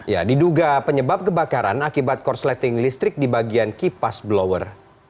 ya diduga penyebab kebakaran akibat korsleting listrik di bagian kipas blower